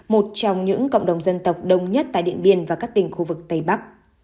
một trong những cộng đồng dân tộc đông nhất tại điện biên và các tỉnh khu vực tây bắc